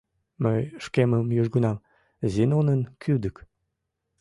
Мый шкемым южгунам Зинонын кӱдык